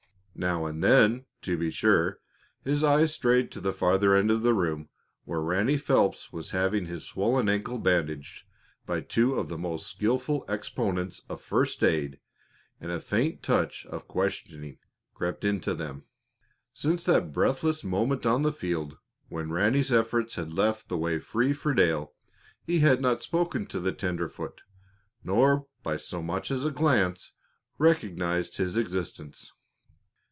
Now and then, to be sure, his eyes strayed to the farther end of the room, where Ranny Phelps was having his swollen ankle bandaged by two of the most skilful exponents of first aid, and a faint touch of questioning crept into them. Since that breathless moment on the field when Ranny's efforts had left the way free for Dale, he had not spoken to the tenderfoot nor by so much as a glance recognized his existence.